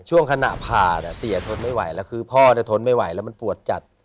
ช่วงขณะพาเนี่ยตีอ่ะทนไม่ไหวแล้วคือพ่อตีอ่ะทนไม่ไหวแล้วมันปวดจัด